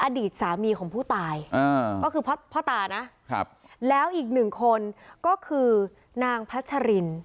อดีตสามีของผู้ตายก็คือพ่อตานะแล้วอีกหนึ่งคนก็คือนางพัชริน